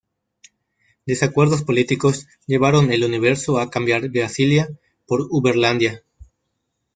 Desacuerdos políticos llevaron el Universo a cambiar Brasilia por Uberlândia.